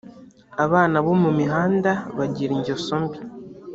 abana bo mu mihanda bagira ingesombi.